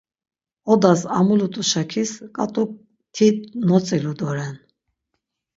Odas amulut̆u şakis ǩat̆uk ti notzilu doren.